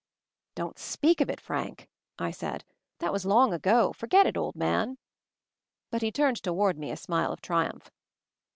"Don't speak of it, Frank!" I said. "That was long ago; forget it, old man!" But he turned toward me a smile of triumph.